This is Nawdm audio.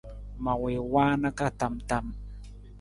Ma wii waana ka tam tam.